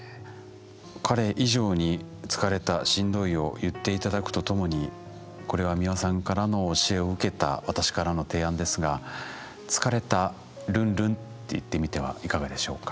彼以上に「疲れた」「しんどい」を言って頂くとともにこれは美輪さんからの教えを受けた私からの提案ですがと言ってみてはいかがでしょうか。